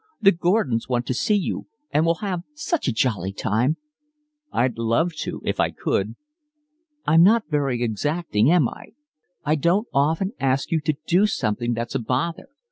The Gordons want to see you, and we'll have such a jolly time." "I'd love to if I could." "I'm not very exacting, am I? I don't often ask you to do anything that's a bother.